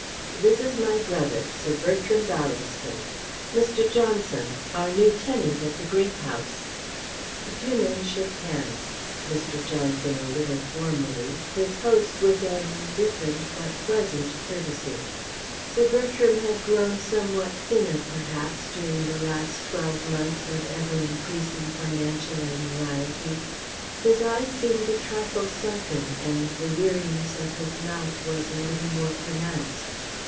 "This is my brother, Sir Bertram Ballaston Mr. Johnson, our new tenant at the Great House." The two men shook hands; Mr. Johnson a little formally; his host with an indifferent but pleasant courtesy. Sir Bertram had grown somewhat thinner, perhaps, during the last twelve months of ever increasing financial anxiety. His eyes seemed a trifle sunken and the weariness of his mouth was a little more pronounced.